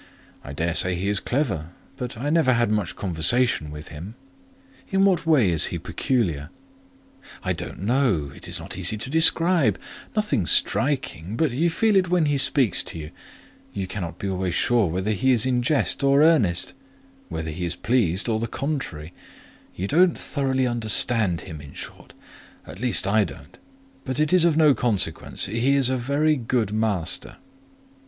I dare say he is clever, but I never had much conversation with him." "In what way is he peculiar?" "I don't know—it is not easy to describe—nothing striking, but you feel it when he speaks to you; you cannot be always sure whether he is in jest or earnest, whether he is pleased or the contrary; you don't thoroughly understand him, in short—at least, I don't: but it is of no consequence, he is a very good master."